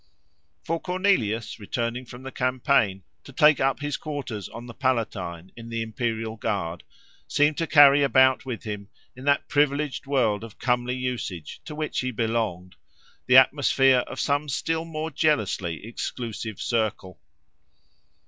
For Cornelius, returning from the campaign, to take up his quarters on the Palatine, in the imperial guard, seemed to carry about with him, in that privileged world of comely usage to which he belonged, the atmosphere of some still more jealously exclusive circle.